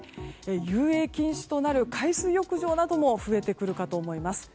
遊泳禁止となる海水浴場なども増えてくるかと思います。